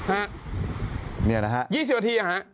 อัตภัย๒๐นาที